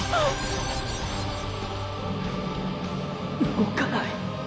動かない。